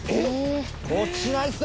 落ちないですね